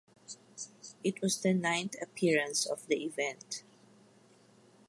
It was the ninth appearance of the event.